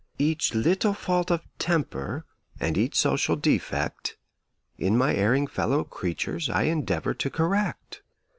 Each little fault of temper and each social defect In my erring fellow creatures, I endeavor to correct.